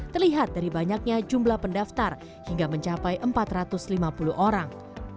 terlihat dari banyaknya jumlah pendaftar hingga mencapai empat ratus lima puluh orang